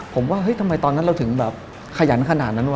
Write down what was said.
ผมว่าเฮ้ยทำไมตอนนั้นเราถึงแบบขยันขนาดนั้นว่